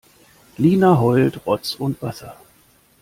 Lina heult Rotz und Wasser.